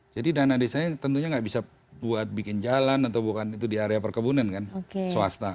jadi dana desanya tentunya tidak bisa buat bikin jalan atau bukan itu di area perkebunan kan swasta